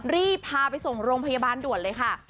รีบพาไปส่งโรงพยาบาลด่วนเลยค่ะ